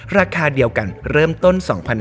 ราคาเดียวกันเริ่มต้น๒๕๖๐